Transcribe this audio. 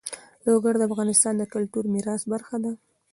لوگر د افغانستان د کلتوري میراث برخه ده.